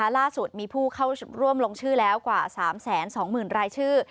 ล่าสุดมีผู้เข้าร่วมลงชื่อแล้วกว่า๓๒๐๐๐รายชื่อ